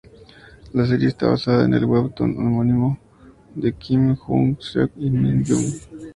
La serie está basada en el webtoon homónimo de Kim Jung-seok y Min Hyun.